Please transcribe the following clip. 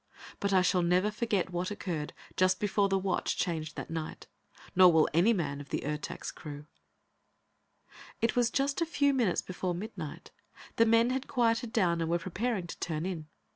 But I shall never forget what occurred just before the watch changed that night. Nor will any man of the Ertak's crew. It was just a few minutes before midnight. The men had quieted down and were preparing to turn in.